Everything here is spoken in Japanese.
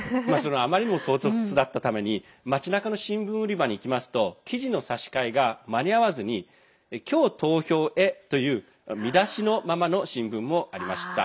あまりにも唐突だったために町なかの新聞売り場に行きますと記事の差し替えが間に合わずに「今日、投票へ」という見出しのままの新聞もありました。